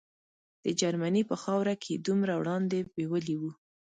د جرمني په خاوره کې یې دومره وړاندې بیولي وو.